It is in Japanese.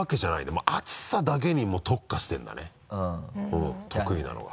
もう熱さだけに特化してるんだね得意なのが。